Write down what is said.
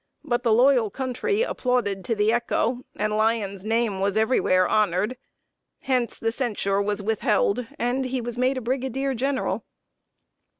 But the loyal country applauded to the echo, and Lyon's name was everywhere honored. Hence the censure was withheld, and he was made a Brigadier General! [Sidenote: ST. LOUIS IN A CONVULSION.